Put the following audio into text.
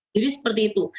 jadi seperti itu